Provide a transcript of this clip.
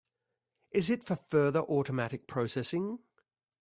Is it for further automatic processing?